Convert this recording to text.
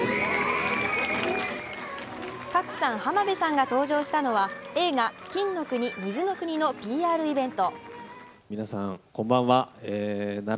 賀来さん、浜辺さんが登場したのは映画「金の国水の国」のＰＲイベント